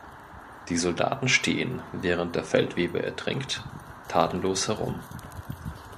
Die Soldaten stehen, während der Feldwebel ertrinkt, tatenlos herum.